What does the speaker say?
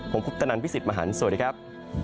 ผมคุปตนันพี่สิทธิ์มหันฯสวัสดีครับ